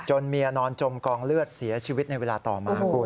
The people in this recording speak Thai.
เมียนอนจมกองเลือดเสียชีวิตในเวลาต่อมาคุณ